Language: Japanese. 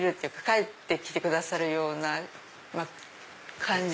帰ってきてくださるような感じ